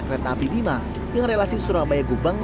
kereta api bima dengan relasi surabaya gubeng